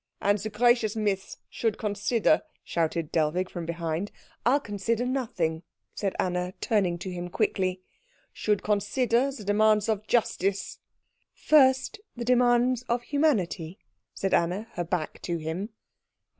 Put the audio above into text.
"And the gracious Miss should consider " shouted Dellwig from behind. "I'll consider nothing," said Anna, turning to him quickly. " should consider the demands of justice " "First the demands of humanity," said Anna, her back to him.